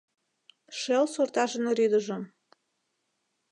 Шел сортажын рӱдыжым